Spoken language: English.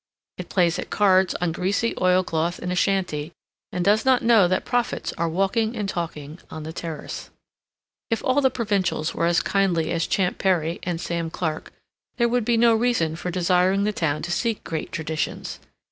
It plays at cards on greasy oil cloth in a shanty, and does not know that prophets are walking and talking on the terrace. If all the provincials were as kindly as Champ Perry and Sam Clark there would be no reason for desiring the town to seek great traditions.